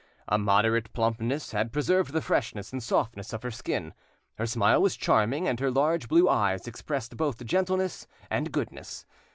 A moderate plumpness had preserved the freshness and softness of her skin; her smile was charming, and her large blue eyes expressed both gentleness and goodness.